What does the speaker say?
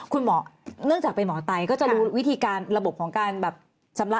คุณหมอเนื่องจากเป็นหมอไตก็จะรู้วิธีการระบบของการแบบชำระ